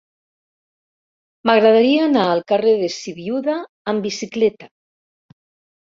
M'agradaria anar al carrer de Sibiuda amb bicicleta.